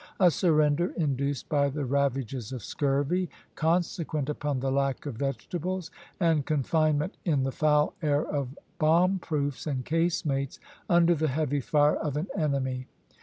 a surrender induced by the ravages of scurvy, consequent upon the lack of vegetables, and confinement in the foul air of bombproofs and casemates, under the heavy fire of an enemy.